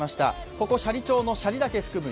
ここ斜里町の斜里岳を含む